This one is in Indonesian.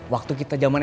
waktu kita jaman sma